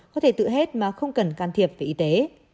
có thể tự hết mà không cần can thiệp về y tế